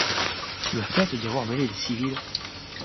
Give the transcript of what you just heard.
Le fait d’y avoir mêlé des civils.